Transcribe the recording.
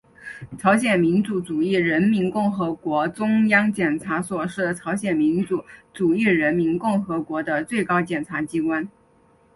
朝鲜民主主义人民共和国中央检察所是朝鲜民主主义人民共和国的最高检察机关。